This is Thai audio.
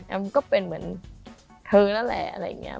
ก็เป็นเหมือนเธอนั่นแหละอะไรอย่างนี้